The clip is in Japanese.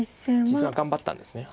実戦は頑張ったんですね。